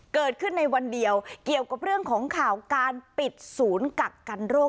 เกิดขึ้นในวันเดียวเกี่ยวกับเรื่องของข่าวการปิดศูนย์กักกันโรค